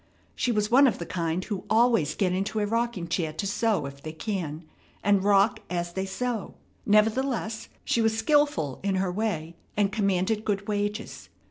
She was one of the kind who always get into a rocking chair to sew if they can, and rock as they sew. Nevertheless, she was skilful in her way, and commanded good wages.